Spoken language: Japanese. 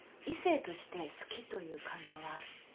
異性として好きという感情はある？